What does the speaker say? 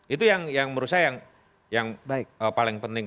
itu yang menurut saya yang paling penting